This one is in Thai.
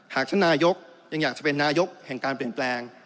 หากท่านนายกยังอยากจะเป็นนายกแห่งการเปลี่ยนแปลง